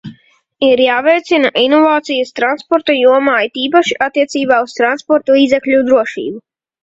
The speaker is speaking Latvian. Ir jāveicina inovācijas transporta jomā, it īpaši attiecībā uz transportlīdzekļu drošību.